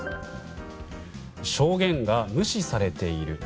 証言が無視されている。